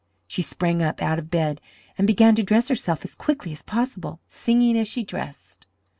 She sprang up out of bed and began to dress herself as quickly as possible, singing as she dressed.